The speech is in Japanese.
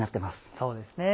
そうですね。